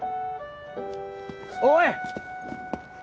おい！